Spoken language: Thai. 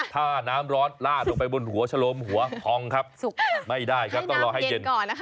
ถ้าน้ำร้อนลาดลงไปบนหัวชะลมหัวพองครับสุกไม่ได้ครับต้องรอให้เย็น